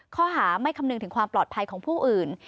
ข้อหาไม่คำนึงถึงความปลอดภัยของผู้อื่น